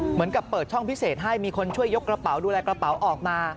เปิดช่องพิเศษให้มีคนช่วยยกกระเป๋าดูแลกระเป๋าออกมา